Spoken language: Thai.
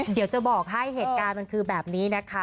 เดี๋ยวจะบอกให้เหตุการณ์มันคือแบบนี้นะคะ